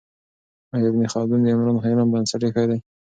آیا ابن خلدون د عمران علم بنسټ ایښی دی؟